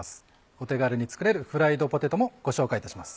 お手軽に作れるフライドポテトもご紹介いたします。